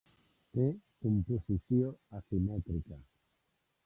Té composició asimètrica.